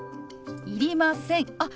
いりませんあっ